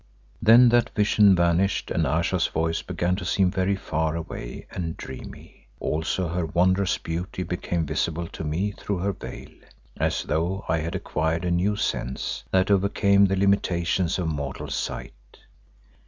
Then that vision vanished and Ayesha's voice began to seem very far away and dreamy, also her wondrous beauty became visible to me through her veil, as though I had acquired a new sense that overcame the limitations of mortal sight.